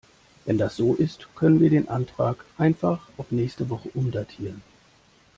Wenn das so ist, können wir den Antrag einfach auf nächste Woche umdatieren.